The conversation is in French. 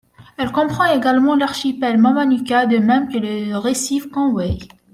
Elle comprend également l'archipel Mamanuca de même que le récif Conway.